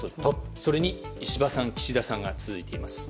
それに石破さん岸田さんが続いています。